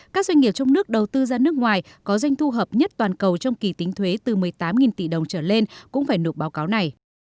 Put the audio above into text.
các doanh nghiệp trong nước đầu tư ra nước ngoài có doanh thu hợp nhất toàn cầu trong kỳ tính thuế từ một mươi tám tỷ đồng trở lên cũng phải nộp báo cáo này